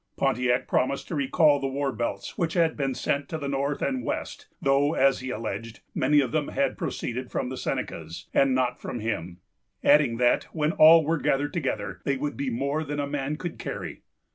Pontiac promised to recall the war belts which had been sent to the north and west, though, as he alleged, many of them had proceeded from the Senecas, and not from him; adding that, when all were gathered together, they would be more than a man could carry.